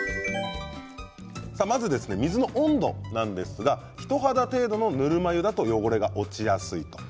まず水の温度なんですが人肌程度のぬるま湯だと汚れが落ちやすいと。